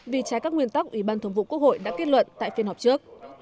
vì trái các nguyên tắc ủy ban thường vụ quốc hội đã kết luận tại phiên họp trước